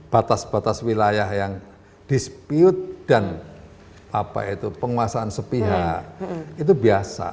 batas batas wilayah yang dispute dan penguasaan sepihak itu biasa